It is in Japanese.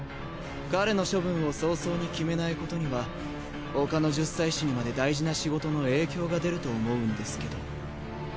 彼の処分を早々に決めないことには他の十祭司にまで大事な仕事の影響が出ると思うんですけど。